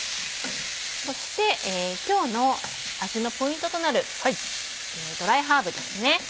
そして今日の味のポイントとなるドライハーブですね。